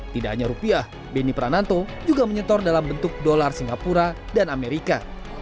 tidak hanya rupiah beni prananto juga menyetor dalam bentuk dolar singapura dan amerika